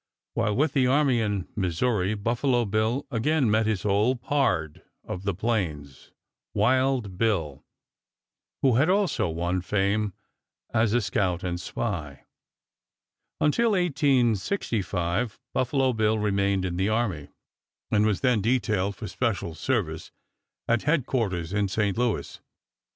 While with the army in Missouri Buffalo Bill again met his old "pard" of the plains, Wild Bill, who had also won fame as a scout and spy. Until 1865, Buffalo Bill remained in the army, and was then detailed for special service at headquarters in St. Louis.